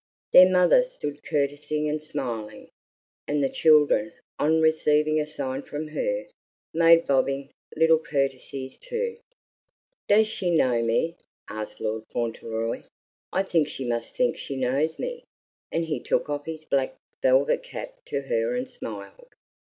Their mother stood courtesying and smiling, and the children, on receiving a sign from her, made bobbing little courtesies too. "Does she know me?" asked Lord Fauntleroy. "I think she must think she knows me." And he took off his black velvet cap to her and smiled.